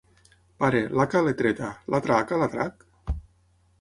Pare, l'haca, l'he treta; l'altra haca, la trac?